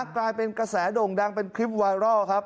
กลายเป็นกระแสโด่งดังเป็นคลิปไวรัลครับ